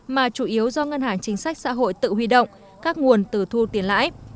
mà chủ yếu do ngân hàng chính sách xã hội tự huy động các nguồn từ thu tiền lãi